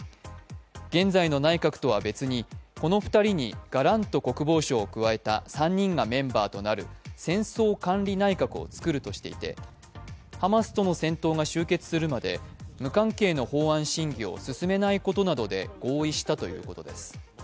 現在の内閣とは別に、この２人にガラント国防相を加えた３人がメンバーとなる戦争管理内閣を作るとしていて、ハマスとの戦闘が終結するまで無関係の法案審議を進めないことなどで合意したということです。